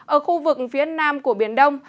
ở khu vực phía nam của biển đông